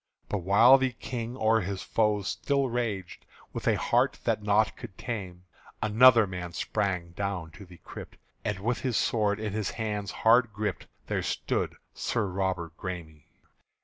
But while the King o'er his foes still raged With a heart that naught could tame, Another man sprange down to the crypt; And with his sword in his hand hard gripp'd, There stood Sir Robert Græme.